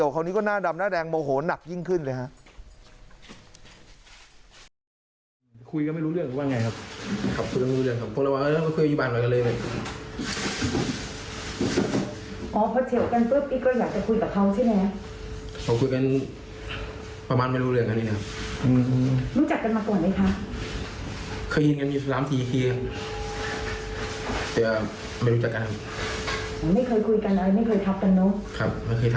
คนนี้ก็หน้าดำหน้าแดงโมโหนักยิ่งขึ้นเลยครับ